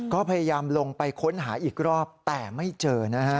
ก็พยายามลงไปค้นหาอีกรอบแต่ไม่เจอนะฮะ